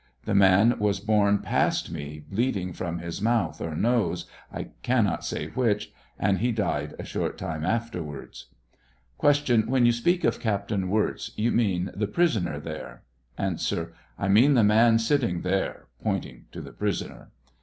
The man was borne past me, bleeding from his mouth or nose, I cannot s; which, and he died a short time afterwards. Q. When you speak of Captain Wirz, you mean the prisoner there ? A. I mean the man sitting there, (pointing to the prisoner.)